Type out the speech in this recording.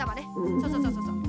そうそうそうそうそう。